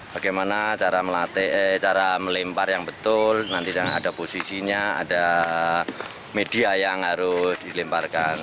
bagaimana cara melempar yang betul nanti ada posisinya ada media yang harus dilemparkan